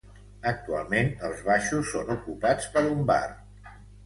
Actualment els baixos són ocupats per un bar.